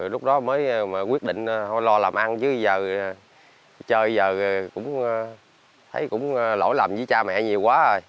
lúc đó mới quyết định lo làm ăn chứ giờ chơi giờ cũng thấy cũng lỗi lầm với cha mẹ nhiều quá rồi